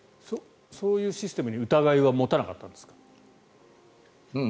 そういうシステムに疑いは持たなかったんですか？